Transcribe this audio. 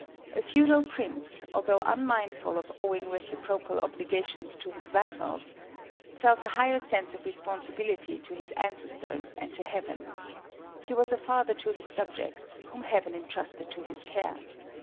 A feudal prince, although unmindful of owing reciprocal obligations to his vassals, felt a higher sense of responsibility to his ancestors and to Heaven. He was a father to his subjects, whom Heaven entrusted to his care.